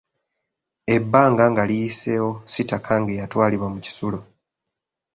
Ebbanga nga liyiseewo Sitakange yatwalibwa mu kisulo.